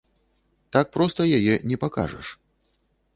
Так проста яе не пакажаш.